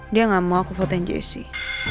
dia gak mau aku foten jisih